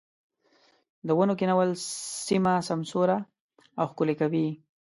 د ونو کښېنول سيمه سمسوره او ښکلې کوي.